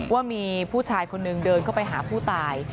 ว่ามีผู้ชายคนนึงเดินเข้าไปหาผู้ตาย